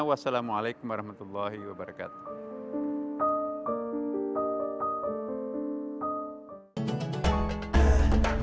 wassalamualaikum warahmatullahi wabarakatuh